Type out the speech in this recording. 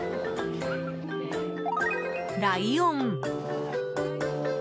ライオン。